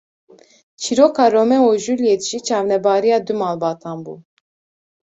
Çîroka Romeo û Juliet jî çavnebariya du malbatan bû